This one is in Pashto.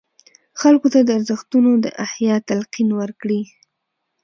خلکو ته د ارزښتونو د احیا تلقین ورکړي.